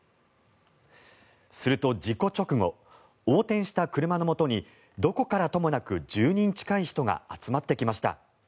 すると事故直後横転した車のもとにどこからともなく１０人近い人が集まってきました。